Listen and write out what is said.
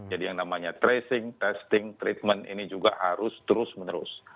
jadi yang namanya tracing testing treatment ini juga harus terus menerus